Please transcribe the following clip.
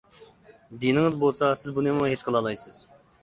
دىتىڭىز بولسا سىز بۇنىمۇ ھېس قىلالايسىز.